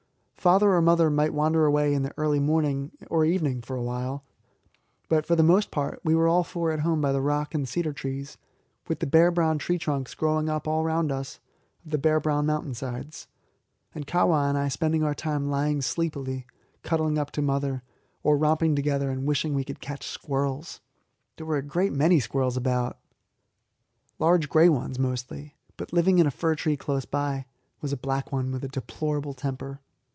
Father or mother might wander away alone in the early morning or evening for a while, but for the most part we were all four at home by the rock and the cedar trees, with the bare brown tree trunks growing up all round out of the bare brown mountain sides, and Kahwa and I spending our time lying sleepily cuddled up to mother, or romping together and wishing we could catch squirrels. There were a great many squirrels about large gray ones mostly; but living in a fir tree close by us was a black one with a deplorable temper.